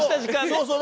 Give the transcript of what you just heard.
そうそう。